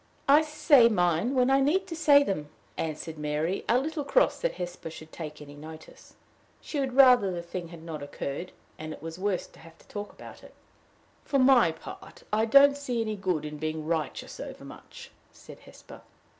"I say mine when I need to say them," answered Mary, a little cross that Hesper should take any notice. She would rather the thing had not occurred, and it was worse to have to talk about it. "For my part, I don't see any good in being righteous overmuch," said Hesper.